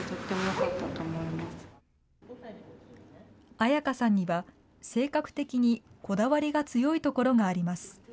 彩花さんには性格的にこだわりが強いところがあります。